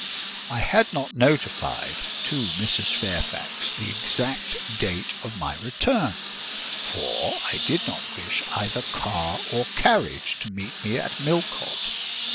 I had not notified to Mrs. Fairfax the exact day of my return; for I did not wish either car or carriage to meet me at Millcote.